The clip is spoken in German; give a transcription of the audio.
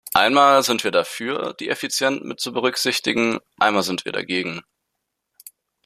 Einmal sind wir dafür, die Effizienz mitzuberücksichtigen, einmal sind wir dagegen.